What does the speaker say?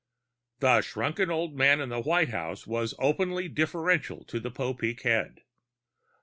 The shrunken old man in the White House was openly deferential to the Popeek head.